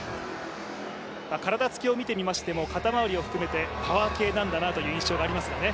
体つきを見てみましても、肩周りを含めてパワー系なんだなという印象がありますね。